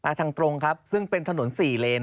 ทางตรงครับซึ่งเป็นถนน๔เลน